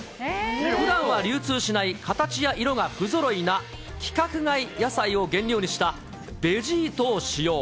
ふだんは流通しない、形や色が不ぞろいな規格外野菜を原料にしたベジートを使用。